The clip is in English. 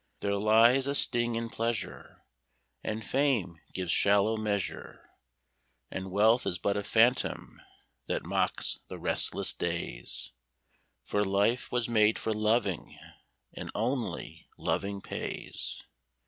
There lies a sting in pleasure, And fame gives shallow measure, And wealth is but a phantom that mocks the restless days, For life was made for loving, and only loving pays.